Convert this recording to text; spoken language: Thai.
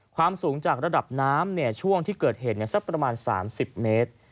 ความสูงจากระดับน้ำช่วงที่เกิดเหตุสักประมาณ๓๐เมตร